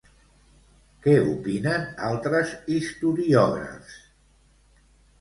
Què opinen altres historiògrafs?